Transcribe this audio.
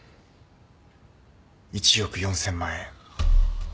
１億４，０００万円。